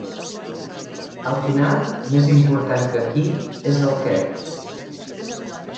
Al final, més important que “qui” és el “què”.